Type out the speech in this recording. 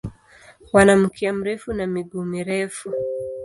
Wana mkia mrefu na miguu mirefu.